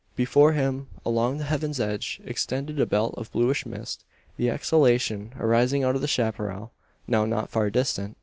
Before him, along the heaven's edge, extended a belt of bluish mist the exhalation arising out of the chapparal now not far distant.